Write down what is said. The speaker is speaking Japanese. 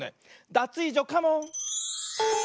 ダツイージョカモン！